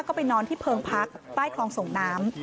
ก็ไปนอนที่เพิงพักใต้คลองส่งน้ำ